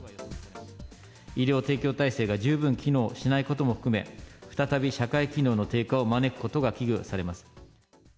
医療提供体制が十分機能しないことも含め、再び社会機能の低下を招くことが危惧されます。